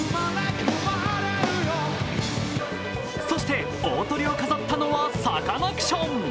そして大トリを飾ったのはサカナクション。